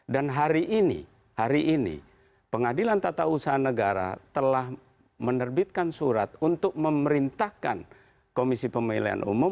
dan hari ini pengadilan tata usaha negara telah menerbitkan surat untuk memerintahkan komisi pemilihan umum